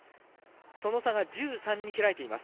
その差が１３に開いています。